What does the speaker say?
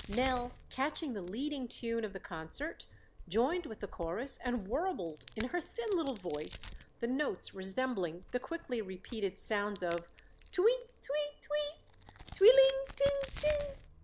Nell, catching the leading tune of the concert, joined with the chorus and warbled in her thin little voice the notes resembling the quickly repeated sound of "tui, tui, tui, twiling ting! ting!"